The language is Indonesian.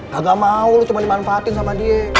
kagak mau lu cuma dimanfaatin sama dia